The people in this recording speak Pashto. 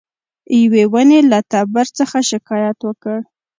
یوې ونې له تبر څخه شکایت وکړ.